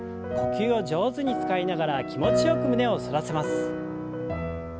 呼吸を上手に使いながら気持ちよく胸を反らせます。